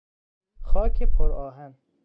خاک پر آهن